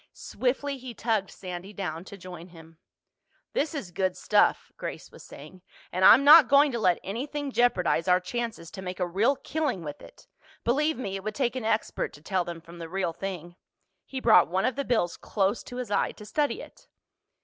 Swiftly he tugged Sandy down to join him. "This is good stuff," Grace was saying. "And I'm not going to let anything jeopardize our chances to make a real killing with it. Believe me, it would take an expert to tell them from the real thing." He brought one of the bills close to his eye to study it.